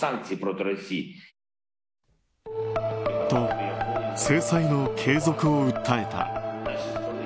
と、制裁の継続を訴えた。